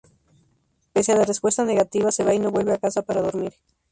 Pese a la respuesta negativa, se va y no vuelve a casa para dormir.